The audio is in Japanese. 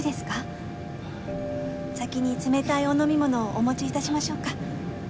先に冷たいお飲み物をお持ち致しましょうか。